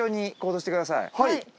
はい。